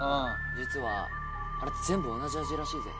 実はあれ全部同じ味らしいぜ。